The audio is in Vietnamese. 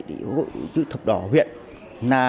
phối hợp với hội chữ thập đỏ huyện